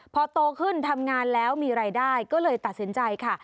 พอโตขึ้นทำงานแล้วมีรายได้ก็เลยตัดสินใจค่ะ